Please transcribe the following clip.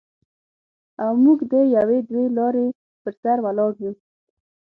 او موږ د یوې دوې لارې پر سر ولاړ یو.